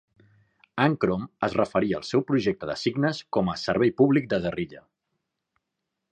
Ankrom es referia al seu projecte de signes com a "Servei Públic de Guerilla".